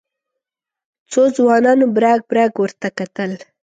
څو ځوانانو برګ برګ ورته کتل.